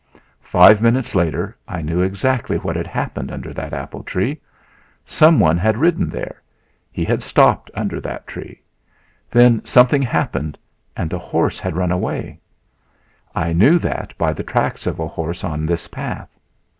Five minutes later I knew exactly what had happened under that apple tree...Someone had ridden there; he had stopped under that tree; then something happened and the horse had run away I knew that by the tracks of a horse on this path.